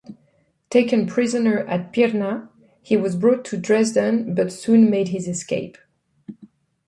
Taken prisoner at Pirna, he was brought to Dresden, but soon made his escape.